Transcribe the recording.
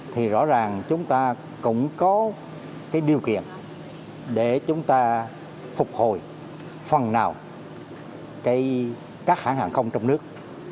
thì rõ ràng chúng ta cũng có cái điều kiện để chúng ta phục hồi phần nào các hãng hàng không trong nước